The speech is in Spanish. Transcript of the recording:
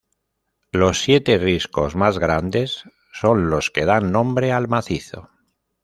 Los siete riscos más grandes son los que dan nombre al macizo.